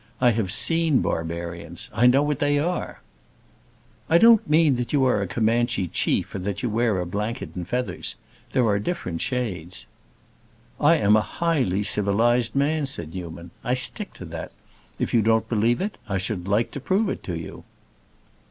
I have seen barbarians; I know what they are." "I don't mean that you are a Comanche chief, or that you wear a blanket and feathers. There are different shades." "I am a highly civilized man," said Newman. "I stick to that. If you don't believe it, I should like to prove it to you."